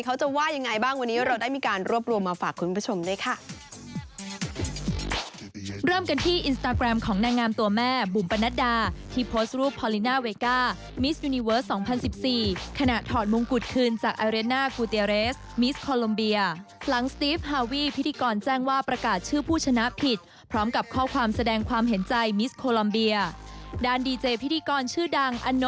ว่าจะว่ายังไงบ้างวันนี้เราได้มีการรวบรวมมาฝากคุณผู้ชมด้วยค่ะ